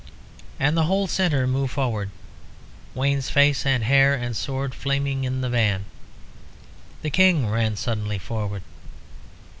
And the whole centre moved forward, Wayne's face and hair and sword flaming in the van. The King ran suddenly forward.